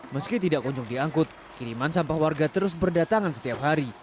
meski tidak kunjung diangkut kiriman sampah warga terus berdatangan setiap hari